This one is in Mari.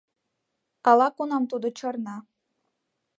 Ала-кунам тудо чарна.